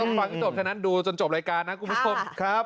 ต้องฟังให้จบดูจนจบรายการนะคุณผู้ชม